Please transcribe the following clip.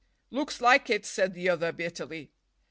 "Looks like it," said the other bitterly.